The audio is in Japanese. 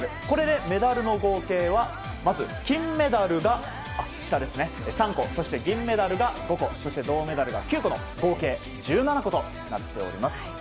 これでメダルの合計はまず、金メダルが３個そして銀メダルが５個銅メダルが９個の合計１７個となっております。